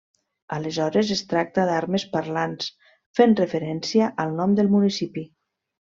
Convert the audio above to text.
Aleshores, es tracta d'armes parlants, fent referència al nom del municipi.